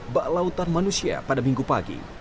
baklautan manusia pada minggu pagi